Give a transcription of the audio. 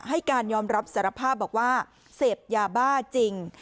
ให้การยอมรับสารภาพบอกว่าเสพยาบ้าจริง